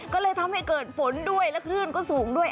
ก็เลยทำให้เกิดฝนด้วยและคลื่นก็สูงด้วย